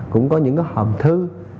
cũng có những cái hầm thư